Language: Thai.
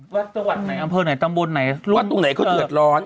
วัดตรงไหนอำเภอไหนตำบูรณ์ไหนวัดตรงไหนเขาเดือดร้อน